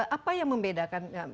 apa yang membedakan